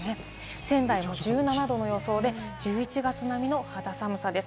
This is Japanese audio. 仙台も１７度で１１月並みの肌寒さです。